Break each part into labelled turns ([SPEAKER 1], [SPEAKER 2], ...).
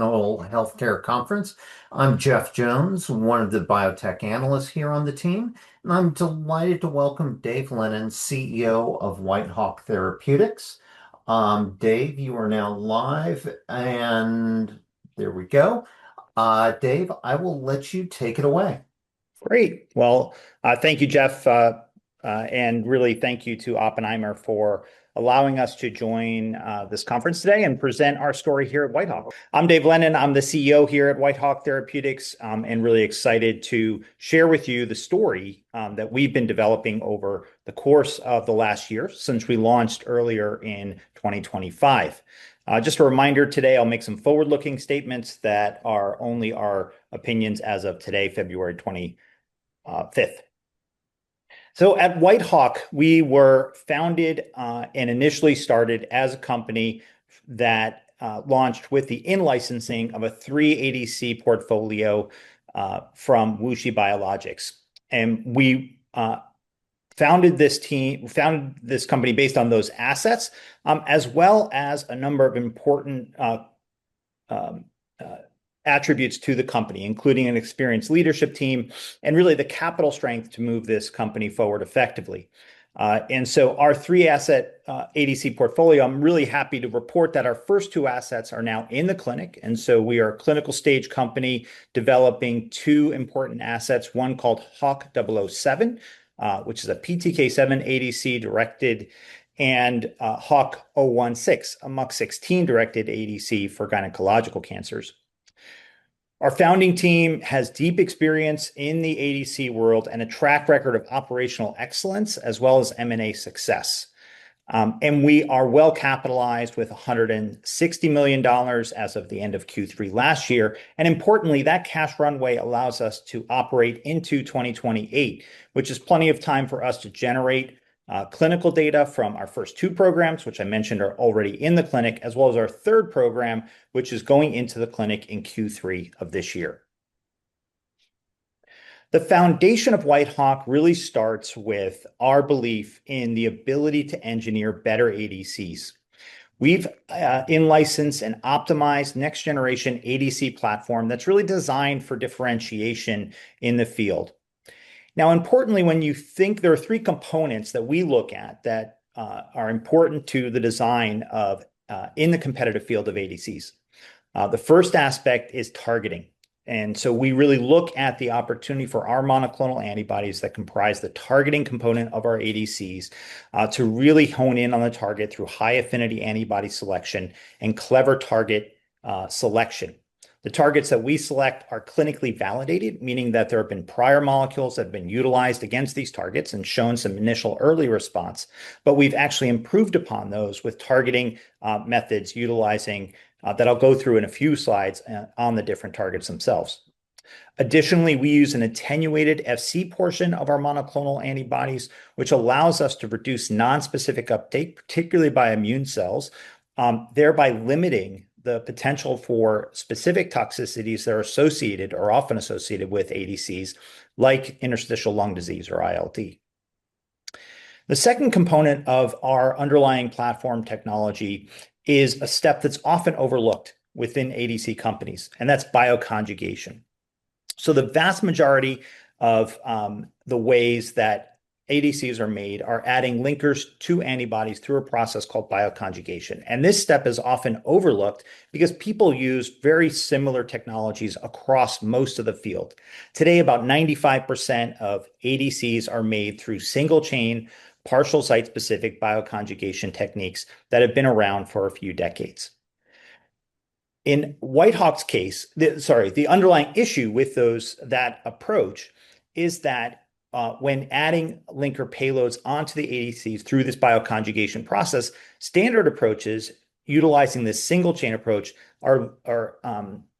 [SPEAKER 1] Annual Healthcare conference. I'm Jeff Jones, one of the Biotech Analysts here on the team, and I'm delighted to welcome Dave Lennon, CEO of Whitehawk Therapeutics. Dave, you are now live, and there we go. Dave, I will let you take it away..
[SPEAKER 2] Great! Well, thank you, Jeff. Really thank you to Oppenheimer for allowing us to join this conference today and present our story here at Whitehawk. I'm Dave Lennon. I'm the CEO here at Whitehawk Therapeutics, really excited to share with you the story that we've been developing over the course of the last year, since we launched earlier in 2025. Just a reminder, today, I'll make some forward-looking statements that are only our opinions as of today, February 25th. At Whitehawk, we were founded, initially started as a company that launched with the in-licensing of a 3 ADC portfolio from WuXi Biologics. We founded this company based on those assets, as well as a number of important attributes to the company, including an experienced leadership team and really the capital strength to move this company forward effectively. Our three asset ADC portfolio, I'm really happy to report that our first two assets are now in the clinic, and so we are a clinical stage company developing two important assets, 1 called HWK-007, which is a PTK7-ADC directed, and HWK-016, a MUC16-directed ADC for gynecological cancers. Our founding team has deep experience in the ADC world and a track record of operational excellence, as well as M&A success. We are well-capitalized with $160 million as of the end of Q3 last year, and importantly, that cash runway allows us to operate into 2028, which is plenty of time for us to generate clinical data from our first two programs, which I mentioned are already in the clinic, as well as our third program, which is going into the clinic in Q3 of this year. The foundation of Whitehawk really starts with our belief in the ability to engineer better ADCs. We've in-licensed and optimized next generation ADC platform that's really designed for differentiation in the field. Now, importantly, there are three components that we look at that are important to the design of in the competitive field of ADCs. The first aspect is targeting. We really look at the opportunity for our monoclonal antibodies that comprise the targeting component of our ADCs, to really hone in on the target through high-affinity antibody selection and clever target selection. The targets that we select are clinically validated, meaning that there have been prior molecules that have been utilized against these targets and shown some initial early response, but we've actually improved upon those with targeting methods, utilizing that I'll go through in a few slides on the different targets themselves. Additionally, we use an attenuated FC portion of our monoclonal antibodies, which allows us to reduce nonspecific uptake, particularly by immune cells, thereby limiting the potential for specific toxicities that are associated or often associated with ADCs, like interstitial lung disease or ILD. The second component of our underlying platform technology is a step that's often overlooked within ADC companies, and that's bioconjugation. The vast majority of the ways that ADCs are made are adding linkers to antibodies through a process called bioconjugation. This step is often overlooked because people use very similar technologies across most of the field. Today, about 95% of ADCs are made through single-chain, partial site-specific bioconjugation techniques that have been around for a few decades. In Whitehawk's case, the underlying issue with that approach is that when adding linker payloads onto the ADCs through this bioconjugation process, standard approaches utilizing this single chain approach are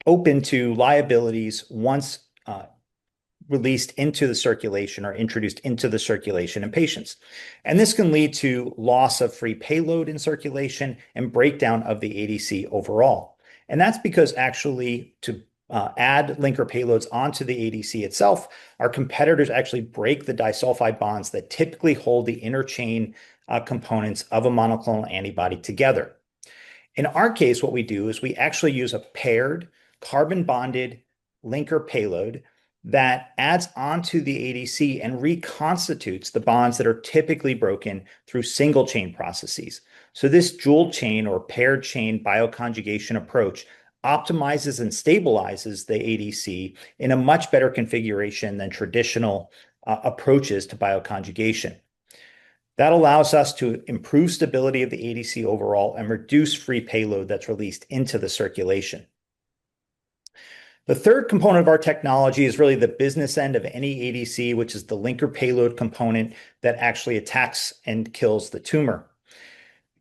[SPEAKER 2] open to liabilities once released into the circulation or introduced into the circulation in patients. This can lead to loss of free payload in circulation and breakdown of the ADC overall. That's because actually to add linker payloads onto the ADC itself, our competitors actually break the disulfide bonds that typically hold the interchain components of a monoclonal antibody together. In our case, what we do is we actually use a paired carbon-bonded linker payload that adds onto the ADC and reconstitutes the bonds that are typically broken through single chain processes. This dual chain or paired chain bioconjugation approach optimizes and stabilizes the ADC in a much better configuration than traditional approaches to bioconjugation. That allows us to improve stability of the ADC overall and reduce free payload that's released into the circulation. The third component of our technology is really the business end of any ADC, which is the linker payload component that actually attacks and kills the tumor.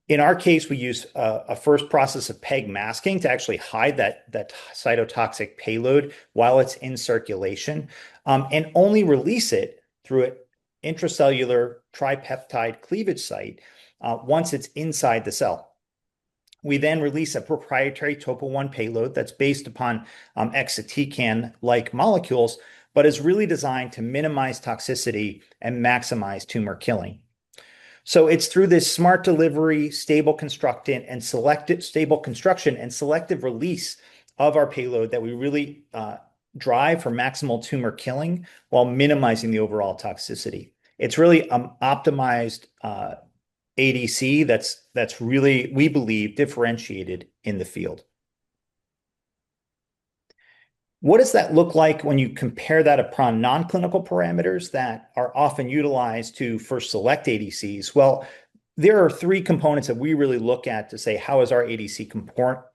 [SPEAKER 2] In our case, we use a first process of PEG masking to actually hide that cytotoxic payload while it's in circulation and only release it through a intracellular tripeptide cleavage site once it's inside the cell. We then release a proprietary Topo 1 payload that's based upon exatecan-like molecules, but is really designed to minimize toxicity and maximize tumor killing. It's through this smart delivery, stable construction and selective release of our payload that we really drive for maximal tumor killing while minimizing the overall toxicity. It's really optimized ADC that's really, we believe, differentiated in the field. What does that look like when you compare that upon non-clinical parameters that are often utilized to first select ADCs? There are three components that we really look at to say, "How is our ADC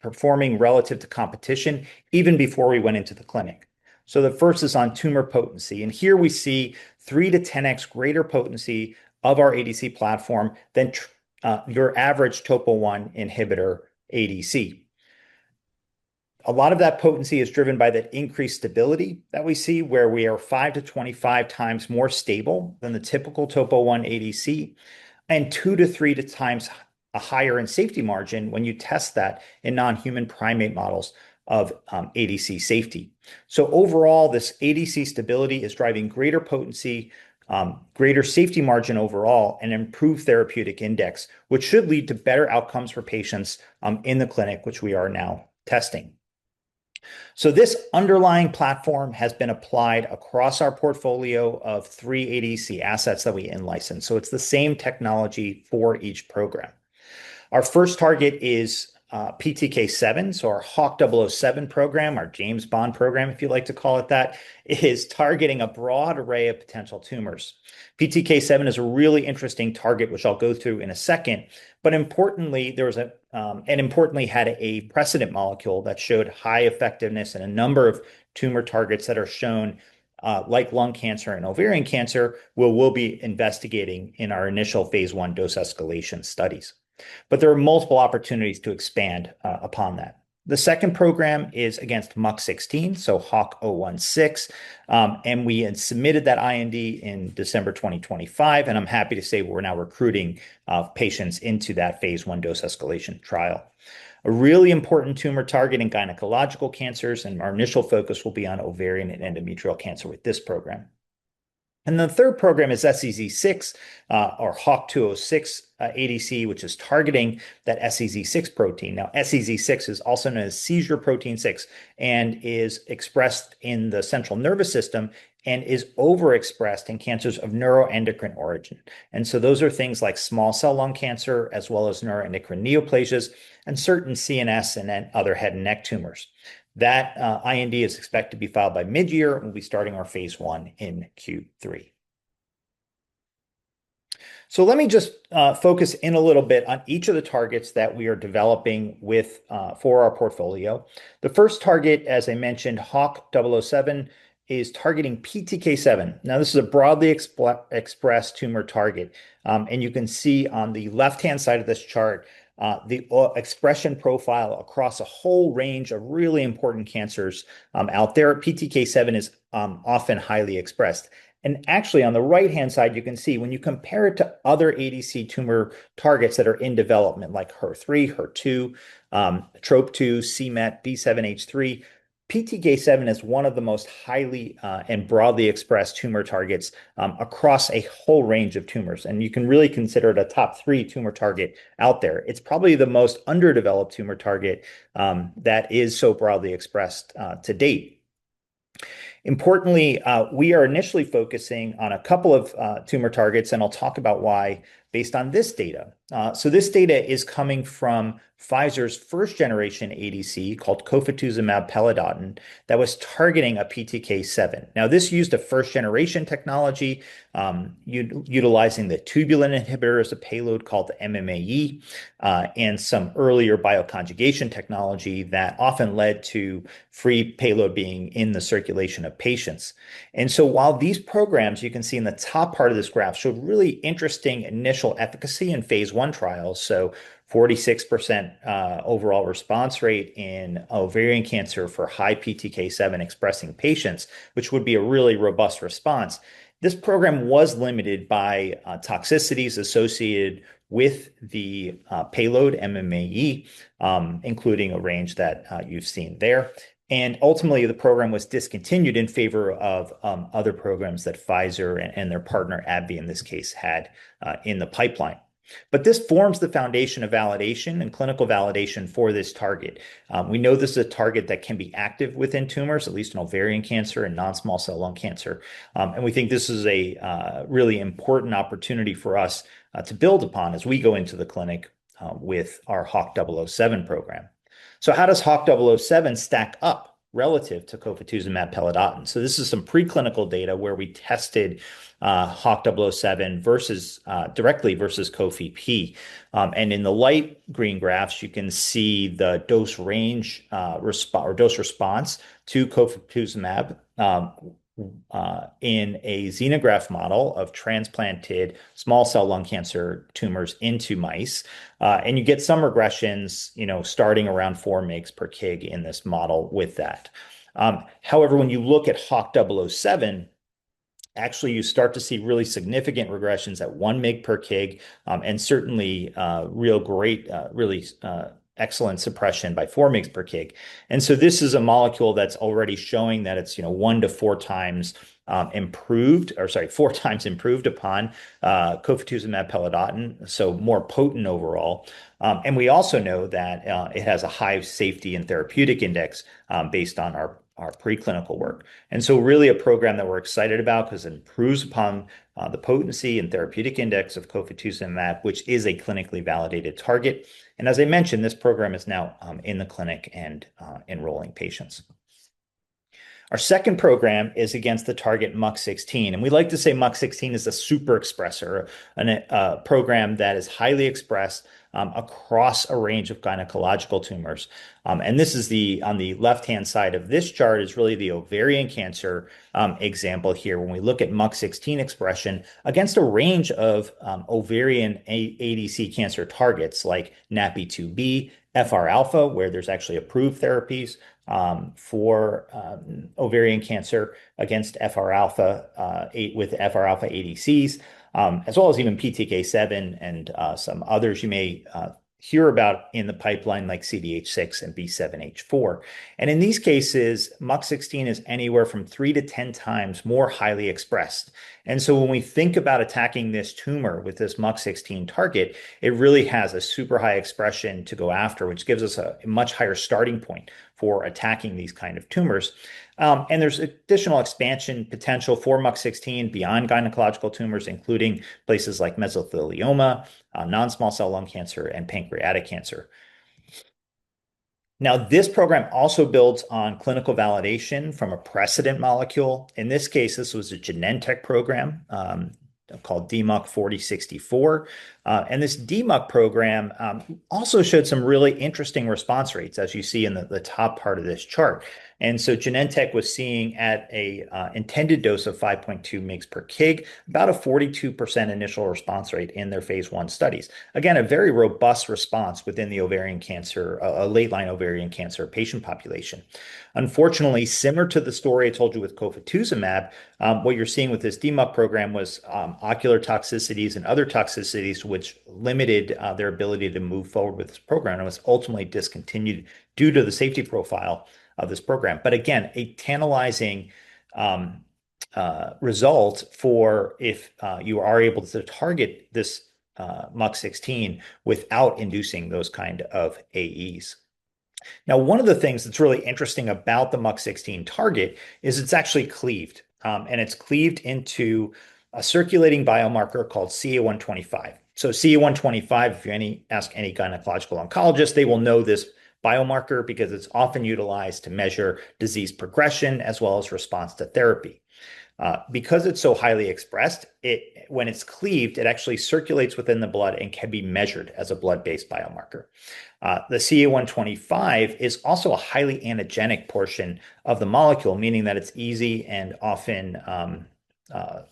[SPEAKER 2] performing relative to competition?" Even before we went into the clinic. The first is on tumor potency, and here we see 3-10x greater potency of our ADC platform than your average Topo 1 inhibitor ADC. A lot of that potency is driven by the increased stability that we see, where we are 5-25 times more stable than the typical Topo 1 ADC, and 2-3 times higher in safety margin when you test that in non-human primate models of ADC safety. Overall, this ADC stability is driving greater potency, greater safety margin overall, and improved therapeutic index, which should lead to better outcomes for patients in the clinic, which we are now testing. This underlying platform has been applied across our portfolio of three ADC assets that we in-license, so it's the same technology for each program. Our first target is PTK7, so our HWK-007 program, our James Bond program, if you like to call it that, is targeting a broad array of potential tumors. PTK7 is a really interesting target, which I'll go through in a second, but importantly, had a precedent molecule that showed high effectiveness in a number of tumor targets that are shown, like lung cancer and ovarian cancer, where we'll be investigating in our initial phase I dose-escalation studies. There are multiple opportunities to expand upon that. The second program is against MUC16, so HWK-016, and we had submitted that IND in December 2025, and I'm happy to say we're now recruiting patients into that Phase I dose-escalation trial. A really important tumor target in gynecological cancers, and our initial focus will be on ovarian and endometrial cancer with this program. The third program is SEZ6, or HWK-206 ADC, which is targeting that SEZ6 protein. Now, SEZ6 is also known as Seizure protein 6 and is expressed in the central nervous system and is overexpressed in cancers of neuroendocrine origin. Those are things like small cell lung cancer, as well as neuroendocrine neoplasias and certain CNS and then other head and neck tumors. That IND is expected to be filed by mid-year, and we'll be starting our phase I in Q3. Let me just focus in a little bit on each of the targets that we are developing with for our portfolio. The first target, as I mentioned, HWK-007, is targeting PTK7. This is a broadly expressed tumor target, and you can see on the left-hand side of this chart, the expression profile across a whole range of really important cancers out there. PTK7 is often highly expressed. Actually, on the right-hand side, you can see when you compare it to other ADC tumor targets that are in development, like HER3, HER2, Trop-2, c-Met, B7H3, PTK7 is one of the most highly and broadly expressed tumor targets across a whole range of tumors, and you can really consider it a top three tumor target out there. It's probably the most underdeveloped tumor target that is so broadly expressed to date. Importantly, we are initially focusing on a couple of tumor targets, and I'll talk about why, based on this data. This data is coming from Pfizer's first-generation ADC, called cofetuzumab pelidotin, that was targeting a PTK7. Now, this used a first-generation technology, utilizing the tubulin inhibitor as a payload called the MMAE, and some earlier bioconjugation technology that often led to free payload being in the circulation of patients. While these programs, you can see in the top part of this graph, showed really interesting initial efficacy in phase I trials, so 46% overall response rate in ovarian cancer for high PTK7-expressing patients, which would be a really robust response. This program was limited by toxicities associated with the payload, MMAE, including a range that you've seen there. Ultimately, the program was discontinued in favor of other programs that Pfizer and their partner, AbbVie, in this case, had in the pipeline. This forms the foundation of validation and clinical validation for this target. We know this is a target that can be active within tumors, at least in ovarian cancer and non-small cell lung cancer. We think this is a really important opportunity for us to build upon as we go into the clinic with our HWK-007 program. How does HWK-007 stack up relative to cofetuzumab pelidotin? This is some preclinical data where we tested HWK-007 versus directly versus Cofep, and in the light green graphs, you can see the dose range or dose response to cofetuzumab in a xenograft model of transplanted small cell lung cancer tumors into mice. You get some regressions, you know, starting around 4 mg per kg in this model with that. However, when you look at HWK-007. Actually, you start to see really significant regressions at 1 mg per kg, and certainly, really excellent suppression by 4 mgs per kg. This is a molecule that's already showing that it's, you know, 1 to 4 times improved, or sorry, 4 times improved upon cofetuzumab pelidotin, so more potent overall. We also know that it has a high safety and therapeutic index based on our preclinical work. Really a program that we're excited about because it improves upon the potency and therapeutic index of cofetuzumab, which is a clinically validated target. As I mentioned, this program is now in the clinic and enrolling patients. Our second program is against the target MUC16, we like to say MUC16 is a super expressor, a program that is highly expressed across a range of gynecological tumors. This is on the left-hand side of this chart, is really the ovarian cancer example here, when we look at MUC16 expression against a range of ovarian ADC cancer targets like NaPi2b, FR-alpha, where there's actually approved therapies for ovarian cancer against FR-alpha, eight with FR-alpha ADCs, as well as even PTK7 and some others you may hear about in the pipeline, like CDH6 and B7H4. In these cases, MUC16 is anywhere from 3 to 10 times more highly expressed. When we think about attacking this tumor with this MUC16 target, it really has a super high expression to go after, which gives us a much higher starting point for attacking these kind of tumors. There's additional expansion potential for MUC16 beyond gynecological tumors, including places like mesothelioma, non-small cell lung cancer, and pancreatic cancer. This program also builds on clinical validation from a precedent molecule. In this case, this was a Genentech program called DMUC4064A. This DMUC program also showed some really interesting response rates, as you see in the top part of this chart. Genentech was seeing at an intended dose of 5.2 mgs per kg, about a 42% initial response rate in their phase 1 studies. A very robust response within the ovarian cancer, a late-line ovarian cancer patient population. Unfortunately, similar to the story I told you with cofetuzumab, what you're seeing with this DMUC program was ocular toxicities and other toxicities, which limited their ability to move forward with this program, and was ultimately discontinued due to the safety profile of this program. A tantalizing result for if you are able to target this MUC16 without inducing those kind of AEs. One of the things that's really interesting about the MUC16 target is it's actually cleaved, and it's cleaved into a circulating biomarker called CA125. CA125, if you ask any gynecological oncologist, they will know this biomarker because it's often utilized to measure disease progression, as well as response to therapy. Because it's so highly expressed, when it's cleaved, it actually circulates within the blood and can be measured as a blood-based biomarker. The CA125 is also a highly antigenic portion of the molecule, meaning that it's easy and often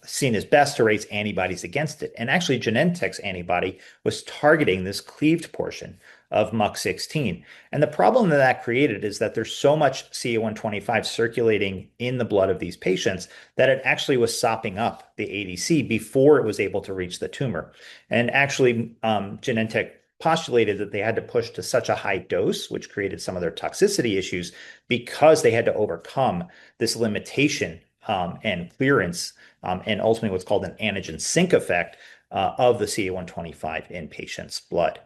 [SPEAKER 2] seen as best to raise antibodies against it. Actually, Genentech's antibody was targeting this cleaved portion of MUC16. The problem that that created is that there's so much CA125 circulating in the blood of these patients, that it actually was sopping up the ADC before it was able to reach the tumor. Actually, Genentech postulated that they had to push to such a high dose, which created some of their toxicity issues, because they had to overcome this limitation, and clearance, and ultimately, what's called an antigen sink effect, of the CA125 in patients' blood.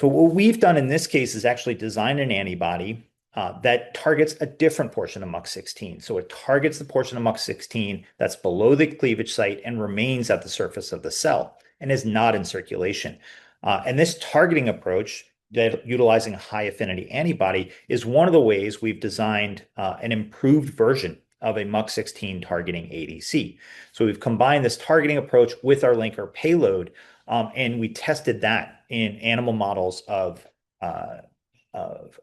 [SPEAKER 2] What we've done in this case is actually designed an antibody that targets a different portion of MUC16. It targets the portion of MUC16 that's below the cleavage site and remains at the surface of the cell and is not in circulation. This targeting approach, the utilizing a high-affinity antibody, is one of the ways we've designed an improved version of a MUC16 targeting ADC. We've combined this targeting approach with our linker payload, we tested that in animal models of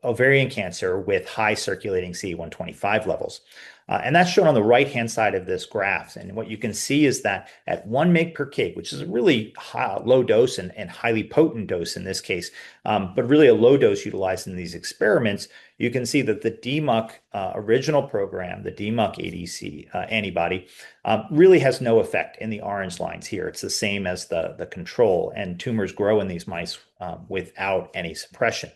[SPEAKER 2] ovarian cancer with high circulating CA125 levels. That's shown on the right-hand side of this graph. What you can see is that at 1 mg per kg, which is a really low dose and highly potent dose in this case, but really a low dose utilized in these experiments, you can see that the DMUC original program, the DMUC ADC antibody, really has no effect in the orange lines here. It's the same as the control. Tumors grow in these mice without any suppression.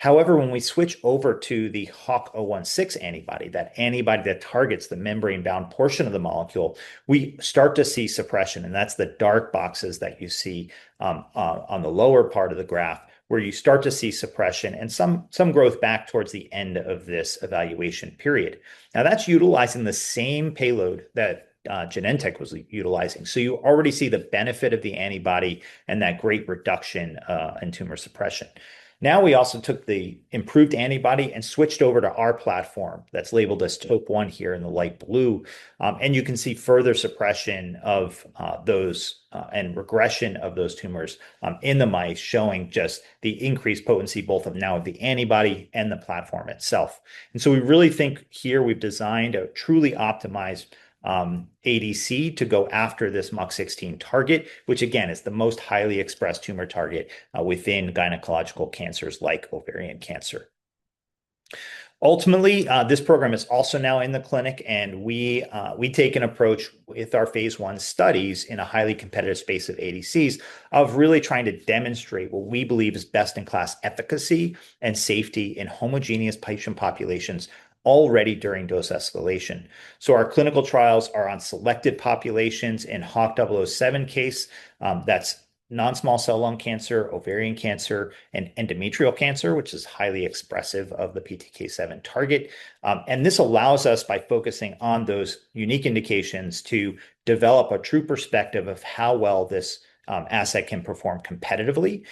[SPEAKER 2] However, when we switch over to the HWK-016 antibody, that antibody that targets the membrane-bound portion of the molecule, we start to see suppression, and that's the dark boxes that you see on the lower part of the graph, where you start to see suppression and some growth back towards the end of this evaluation period. That's utilizing the same payload that Genentech was utilizing. You already see the benefit of the antibody and that great reduction in tumor suppression. We also took the improved antibody and switched over to our platform. That's labeled as Topo 1 here in the light blue, and you can see further suppression of those and regression of those tumors in the mice, showing just the increased potency, both of now the antibody and the platform itself. We really think here we've designed a truly optimized ADC to go after this MUC16 target, which, again, is the most highly expressed tumor target within gynecological cancers like ovarian cancer. Ultimately, this program is also now in the clinic, we take an approach with our phase 1 studies in a highly competitive space of ADCs, of really trying to demonstrate what we believe is best-in-class efficacy and safety in homogeneous patient populations already during dose escalation. Our clinical trials are on selected populations. In HWK-007 case, that's non-small cell lung cancer, ovarian cancer, and endometrial cancer, which is highly expressive of the PTK7 target. This allows us, by focusing on those unique indications, to develop a true perspective of how well this asset can perform competitively,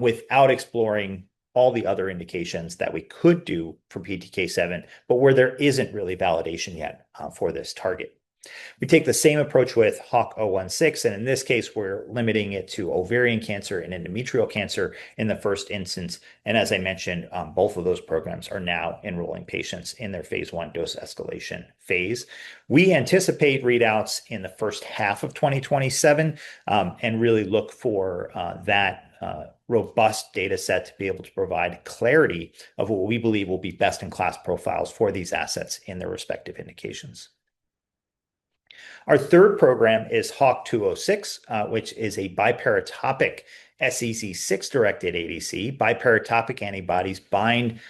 [SPEAKER 2] without exploring all the other indications that we could do for PTK7, but where there isn't really validation yet for this target. We take the same approach with HWK-016. In this case, we're limiting it to ovarian cancer and endometrial cancer in the first instance. As I mentioned, both of those programs are now enrolling patients in their phase 1 dose escalation phase. We anticipate readouts in the first half of 2027. Really look for that robust data set to be able to provide clarity of what we believe will be best-in-class profiles for these assets in their respective indications. Our third program is HWK-206, which is a biparotopic SEZ6-directed ADC. Biparotopic antibodies bind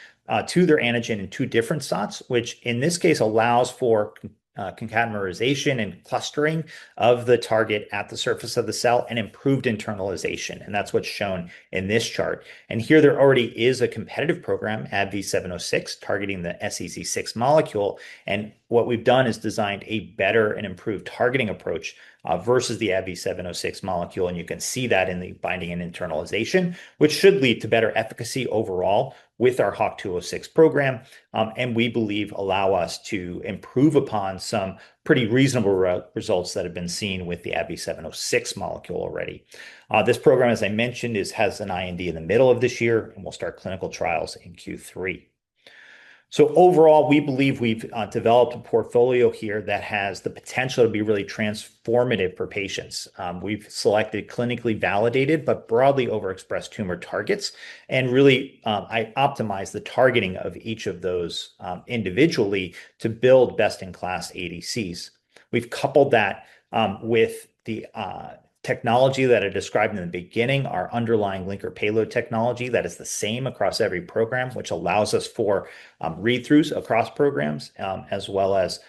[SPEAKER 2] to their antigen in two different sites, which in this case allows for concatemerization and clustering of the target at the surface of the cell, improved internalization. That's what's shown in this chart. Here there already is a competitive program, ABBV-706, targeting the SEZ6 molecule, and what we've done is designed a better and improved targeting approach versus the ABBV-706 molecule, and you can see that in the binding and internalization, which should lead to better efficacy overall with our HWK-206 program, and we believe allow us to improve upon some pretty reasonable results that have been seen with the ABBV-706 molecule already. This program, as I mentioned, has an IND in the middle of this year, and we'll start clinical trials in Q3. Overall, we believe we've developed a portfolio here that has the potential to be really transformative for patients. We've selected clinically validated but broadly overexpressed tumor targets, and really, I optimize the targeting of each of those individually, to build best-in-class ADCs. We've coupled that with the technology that I described in the beginning, our underlying linker payload technology, that is the same across every program, which allows us for read-throughs across programs, as well as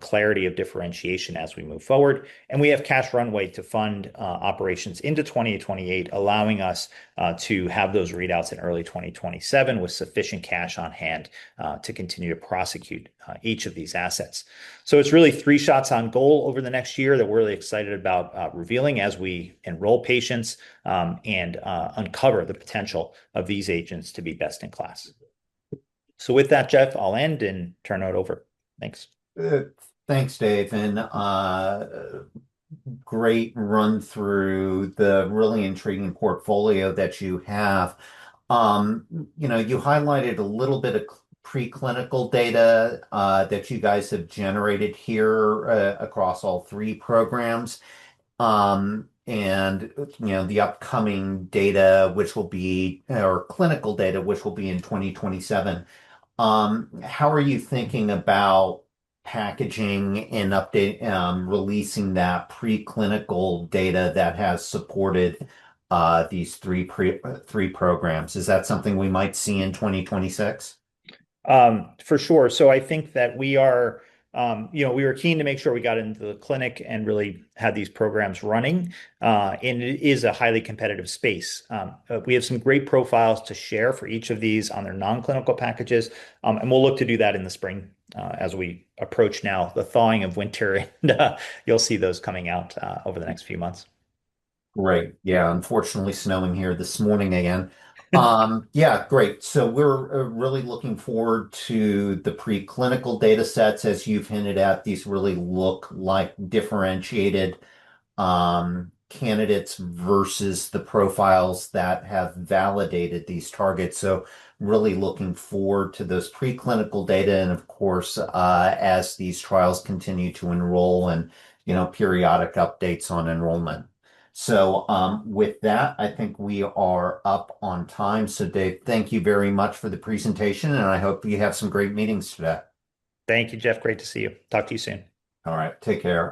[SPEAKER 2] clarity of differentiation as we move forward. We have cash runway to fund operations into 2020 to 2028, allowing us to have those readouts in early 2027, with sufficient cash on hand to continue to prosecute each of these assets. It's really three shots on goal over the next year that we're really excited about revealing as we enroll patients and uncover the potential of these agents to be best in class. With that, Jeff, I'll end and turn it over. Thanks.
[SPEAKER 1] Thanks, Dave, and great run through the really intriguing portfolio that you have. You know, you highlighted a little bit of preclinical data that you guys have generated here across all three programs, and, you know, the upcoming clinical data, which will be in 2027. How are you thinking about packaging and update, releasing that preclinical data that has supported these three programs? Is that something we might see in 2026?
[SPEAKER 2] For sure. I think that we are, you know, we were keen to make sure we got into the clinic and really had these programs running. It is a highly competitive space. We have some great profiles to share for each of these on their non-clinical packages. We'll look to do that in the spring, as we approach now, the thawing of winter. You'll see those coming out over the next few months.
[SPEAKER 1] Great. Yeah, unfortunately, snowing here this morning again. Yeah, great. We're really looking forward to the preclinical data sets. As you've hinted at, these really look like differentiated candidates versus the profiles that have validated these targets. Really looking forward to those preclinical data, and of course, as these trials continue to enroll and, you know, periodic updates on enrollment. With that, I think we are up on time. Dave, thank you very much for the presentation, and I hope you have some great meetings today.
[SPEAKER 2] Thank you, Jeff. Great to see you. Talk to you soon.
[SPEAKER 1] All right, take care.